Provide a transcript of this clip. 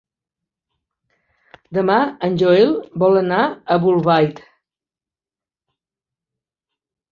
Demà en Joel vol anar a Bolbait.